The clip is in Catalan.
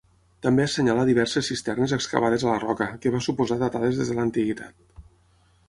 També assenyala diverses cisternes excavades a la roca, que va suposar datades des de l'antiguitat.